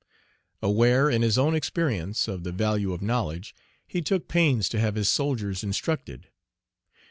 Aware, in his own experience, of the value of knowledge, he took pains to have his soldiers instructed.